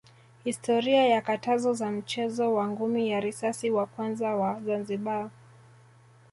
historia ya katazo za mchezo wa ngumi ya raisi wa kwanza wa Zanzibar